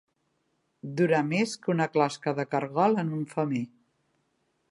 Durar més que una closca de caragol en un femer.